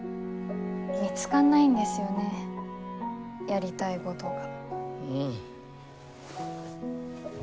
見つかんないんですよねやりたいごどが。